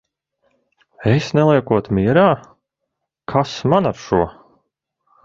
Es neliekot mierā? Kas man ar šo!